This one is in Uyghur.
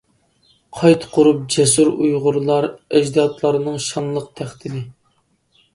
قايتا قۇرۇپ جەسۇر ئۇيغۇرلار ئەجدادلارنىڭ شانلىق تەختىنى.